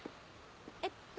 えっと。